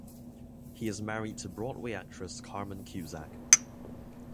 He is married to Broadway actress Carmen Cusack.